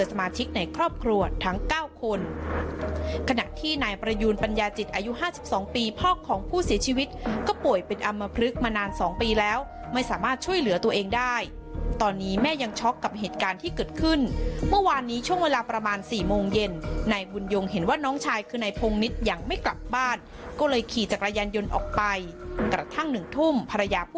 ยาจิตอายุห้าสิบสองปีพ่อของผู้เสียชีวิตก็ป่วยเป็นอามพลึกมานานสองปีแล้วไม่สามารถช่วยเหลือตัวเองได้ตอนนี้แม่ยังช็อกกับเหตุการณ์ที่เกิดขึ้นเมื่อวานนี้ช่วงเวลาประมาณสี่โมงเย็นในบุญยงเห็นว่าน้องชายคือในพงนิษฐ์อย่างไม่กลับบ้านก็เลยขี่จากรายันยนต์ออกไปกระทั่งหนึ่งทุ่มภรรยาผ